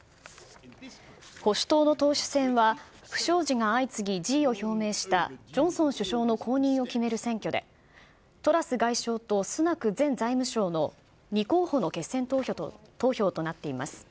保守党の党首選は、不祥事が相次ぎ、辞意を表明したジョンソン首相の後任を決める選挙で、トラス外相とスナク前財務相の２候補の決選投票となっています。